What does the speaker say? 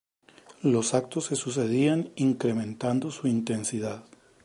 Los actos se sucedían incrementando su intensidad.